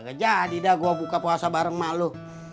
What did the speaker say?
gak jadi dah gua buka puasa bareng mak lu